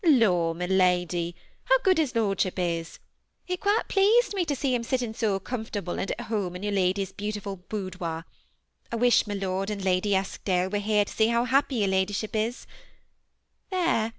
" Law, my lady, how good his lordship is ! It quite pleased me to see him sitting so comfortable and at home in your ladyship's beautiful boudoir. I wish Lord and Lady Eskdale were here to see how happy your ladyship is. There!